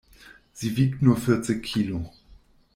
Sie wiegt nur vierzig Kilo.